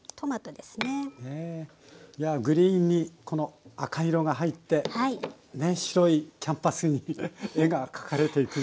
いやグリーンにこの赤い色が入って白いキャンパスに絵が描かれていくような。